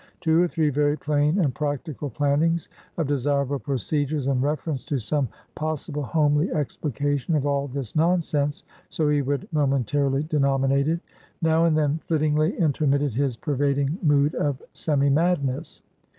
Two or three very plain and practical plannings of desirable procedures in reference to some possible homely explication of all this nonsense so he would momentarily denominate it now and then flittingly intermitted his pervading mood of semi madness.